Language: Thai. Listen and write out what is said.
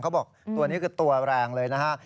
เขาบอกตัวนี้คือตัวแรงเลยนะฮะ